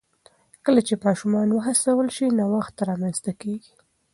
کله چې ماشومان وهڅول شي، نوښت رامنځته کېږي.